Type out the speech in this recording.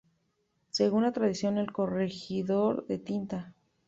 Según la tradición "El corregidor de Tinta.